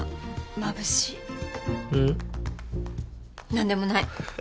何でもない。